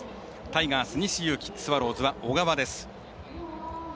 タイガース、西勇輝スワローズは小川です。